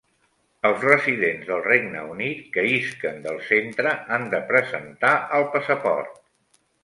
Els residents del Regne Unit que isquen del centre han de presentar el passaport.